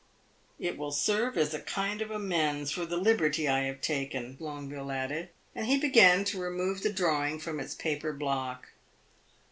"It will serve as a kind of amends for the liberty I have taken," Longueville added; and he began to remove the drawing from its paper block.